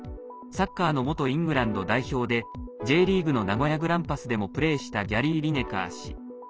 サッカーの元イングランド代表でＪリーグの名古屋グランパスでもプレーしたギャリー・リネカー氏。